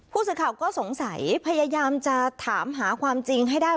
ผู้สื่อข่าวก็สงสัยพยายามจะถามหาความจริงให้ได้